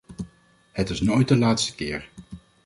Het is nooit de laatste keer.